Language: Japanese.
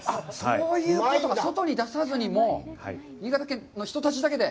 そういうことか、外に出さずに、新潟県の人たちだけで？